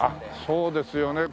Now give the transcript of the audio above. そうですよね。